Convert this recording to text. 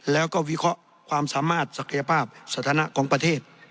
แล้วก็วิเคราะห์ความสามารถศักยภาพสถานะของประเทศ